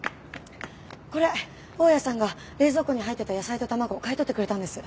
これ大家さんが冷蔵庫に入ってた野菜と卵買い取ってくれたんです。